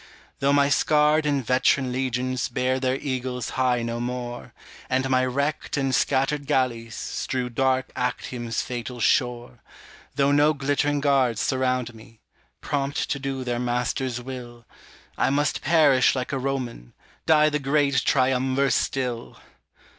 Though my scarred and veteran legions Bear their eagles high no more. And my wrecked and scattered galleys Strew dark Actium's fatal shore, Though no glittering guards surround me, Prompt to do their master's will, I must perish like a Roman, Die the great Triumvir still.